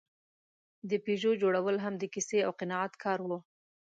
د پيژو جوړول هم د کیسې او قناعت کار و.